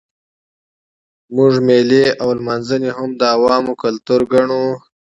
موږ مېلې او لمانځنې هم د عوامو کلتور ګڼو.